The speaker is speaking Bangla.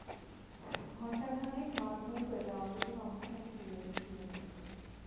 ঘণ্টা খানেক মারধর করে তাঁরা অচেতন অবস্থায় তাঁকে ফেলে রেখে চলে যান।